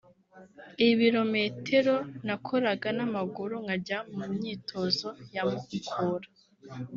ibirometero nakoraga n’amaguru nkajya mu myitozo ya Mukura